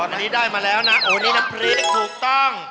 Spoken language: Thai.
อันนี้ได้มาแล้วนะน้ำพรีถูกต้อง